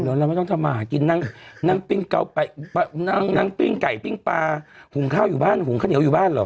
เดี๋ยวเราไม่ต้องทำมาหากินนั่งปิ้งไก่ปิ้งปลาหุงข้าวอยู่บ้านหุงข้าวเหนียวอยู่บ้านเหรอ